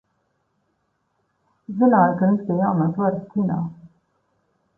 Zināju, ka viņš pie jaunās varas činā.